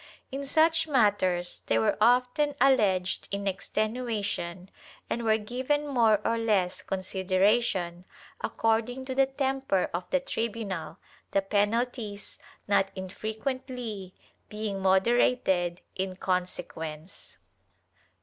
In such matters they were often alleged in extenuation and were given more or less consideration, according to the temper of the tribunal, the penalties, not infrequently, being moderated in consequence.